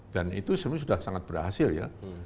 dan itu sebenarnya sudah sangat berhasil ya